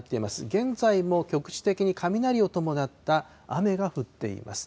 現在も局地的に雷を伴った雨が降っています。